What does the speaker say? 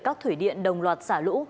các thủy điện đồng loạt sả lũ